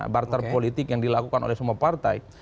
barter politik yang dilakukan oleh semua partai